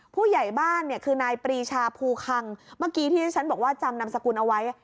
ผู้ใหญ่บ้านเนี่ยคือนายปรีชาภูคังเมื่อกี้ที่ที่ฉันบอกว่าจำนำสกุลเอาไว้